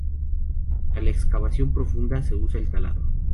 Para la excavación profunda se usa el taladro.